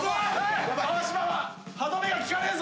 川島は歯止めが利かねえぞ。